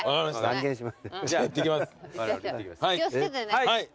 気を付けてね。